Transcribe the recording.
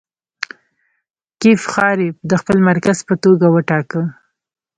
کیف ښاریې د خپل مرکز په توګه وټاکه.